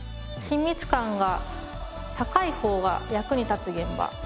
親密感が高い方が役に立つ現場。